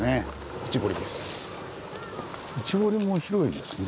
内堀も広いですね。